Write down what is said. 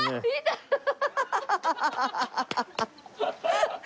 ハハハハハ！